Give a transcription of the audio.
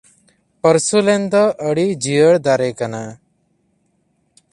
ᱯᱟᱹᱨᱥᱩᱞᱮᱱ ᱫᱚ ᱟᱹᱲᱤ ᱡᱤᱭᱟᱹᱲ ᱫᱟᱨᱮ ᱠᱟᱱᱟ ᱾